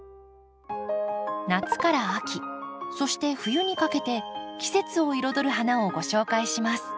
夏から秋そして冬にかけて季節を彩る花をご紹介します。